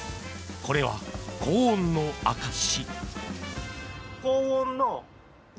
これは、高温の証し。